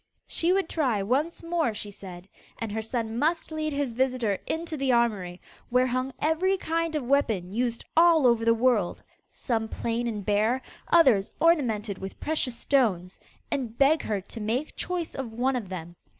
She would try once more she said, and her son must lead his visitor into the armoury, where hung every kind of weapon used all over the world some plain and bare, others ornamented with precious stones and beg her to make choice of one of them.